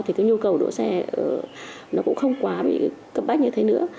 thì cái nhu cầu đỗ xe nó cũng không quá bị cấp bách như thế nữa